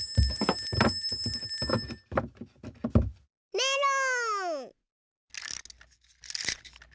メロン！